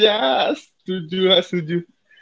ya setuju yaa setuju